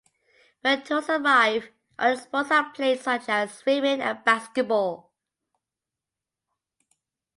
When tourists arrive, other sports are played, such as swimming and basketball.